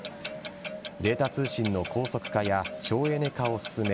データ通信の高速化や省エネ化を進め